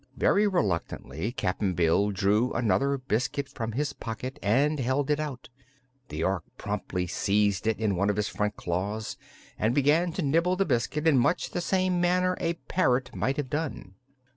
Very reluctantly Cap'n Bill drew another biscuit from his pocket and held it out. The Ork promptly seized it in one of its front claws and began to nibble the biscuit in much the same manner a parrot might have done.